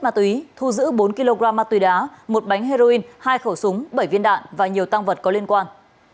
ma túy thu giữ bốn kg ma túy đá một bánh heroin hai khẩu súng bảy viên đạn và nhiều tăng vật có liên quan